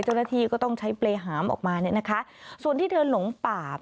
เจ้าหน้าที่ก็ต้องใช้เปรยหามออกมาเนี่ยนะคะส่วนที่เธอหลงป่า